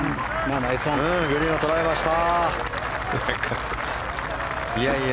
グリーンは捉えました。